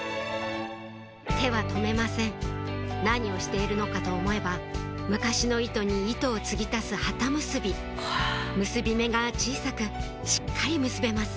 手は止めません何をしているのかと思えば昔の糸に糸を継ぎ足す機結び結び目が小さくしっかり結べます